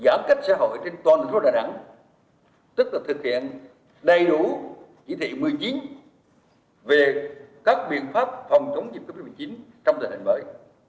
giãn cách xã hội trên toàn lực lượng đà nẵng tức là thực hiện đầy đủ chỉ thị một mươi chín về các biện pháp phòng chống dịch covid một mươi chín trong thời hạn mới